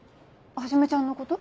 はじめちゃんのこと？